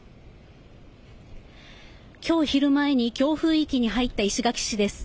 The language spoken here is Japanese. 今日昼前に強風域に入った石垣市です。